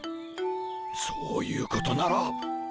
そういうことなら。